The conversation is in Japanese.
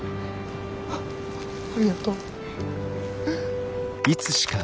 あありがとう。